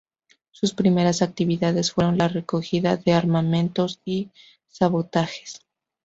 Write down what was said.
Sus primeras actividades fueron la recogida de armamentos y sabotajes.